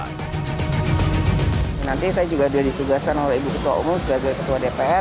nanti saya juga sudah ditugaskan oleh ibu ketua umum sebagai ketua dpr